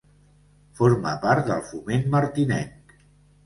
Forma part del Foment Martinenc.